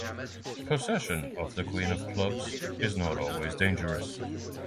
Possession of the Queen of Clubs is not always dangerous.